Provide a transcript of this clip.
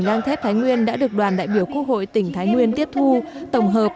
lang thép thái nguyên đã được đoàn đại biểu quốc hội tỉnh thái nguyên tiếp thu tổng hợp